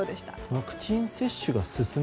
ワクチン接種が進む？